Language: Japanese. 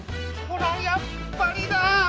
「ほらやっぱりだ！」